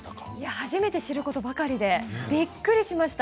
初めて知ることばかりでびっくりしました。